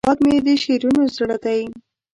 هیواد مې د شعرونو زړه دی